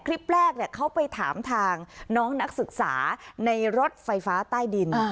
คลิปแรกเขาไปถามทางน้องนักศึกษาในรถไฟฟ้าใต้ดิน